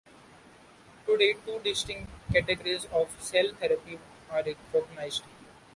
Today two distinct categories of cell therapy are recognized.